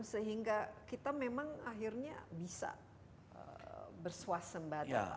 sehingga kita memang akhirnya bisa bersuas sembarang